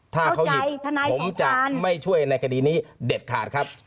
ถ้าเขาหยิบผมจะไม่ช่วยในคดีนี้เด็ดขาดครับ